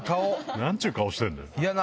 何ちゅう顔してんだよ。